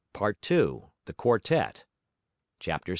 Part II THE QUARTETTE Chapter 7.